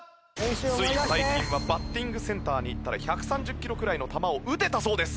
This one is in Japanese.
つい最近はバッティングセンターに行ったら１３０キロくらいの球を打てたそうです。